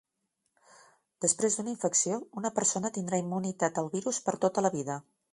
Després d'una infecció, una persona tindrà immunitat al virus per tota la vida.